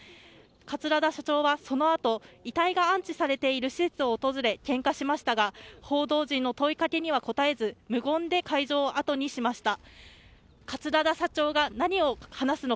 桂田社長は、そのあと遺体が安置されている施設を訪れ献花しましたが報道陣の問いかけには答えず無言で会場を後にしました。